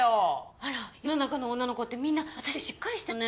あら世の中の女の子ってみんな私よりしっかりしてんのね。